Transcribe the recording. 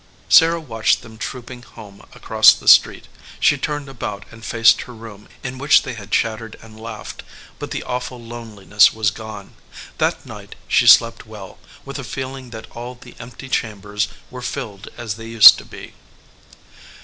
Sarah watched them trooping home across the street; she turned about and faced her room in which they had chattered and laughed, but the awful loneliness was gone. That night she slept well, with a feeling that all the empty chambers were filled as they used to be.